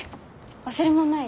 忘れ物ない？